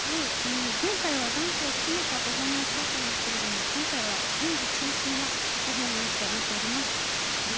前回はダンスを含めたパフォーマンスだったんですが今回は演技中心のパフォーマンスとなっています。